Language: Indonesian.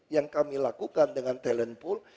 yang kami lakukan dengan talent pool